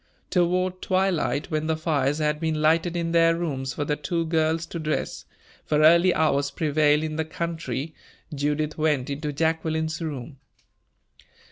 Toward twilight, when the fires had been lighted in their rooms for the two girls to dress, for early hours prevail in the country, Judith went into Jacqueline's room.